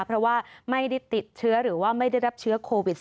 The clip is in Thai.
เพราะว่าไม่ได้ติดเชื้อหรือว่าไม่ได้รับเชื้อโควิด๑๙